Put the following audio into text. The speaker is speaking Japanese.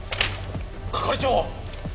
係長！